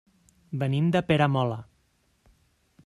Venim de Peramola.